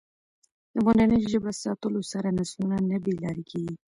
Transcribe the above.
د مورنۍ ژبه ساتلو سره نسلونه نه بې لارې کېږي.